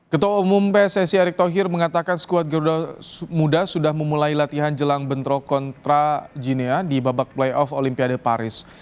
ketua umum pssi erick thohir mengatakan skuad garuda muda sudah memulai latihan jelang bentro kontra ginia di babak playoff olimpiade paris